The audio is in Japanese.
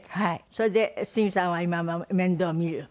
それで杉さんは今面倒見る？